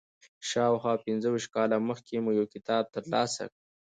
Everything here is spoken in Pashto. شاوخوا پنځه ویشت کاله مخکې مې یو کتاب تر لاسه کړ.